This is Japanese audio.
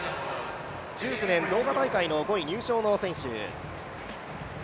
１９年ドーハ大会５位入賞の選手。